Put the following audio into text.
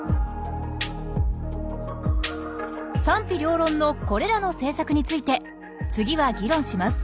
賛否両論のこれらの政策について次は議論します。